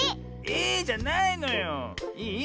「ええ？」じゃないのよ。いい？